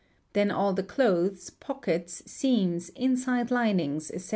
Then all the clothes, pockets, seams, inside linings, etc.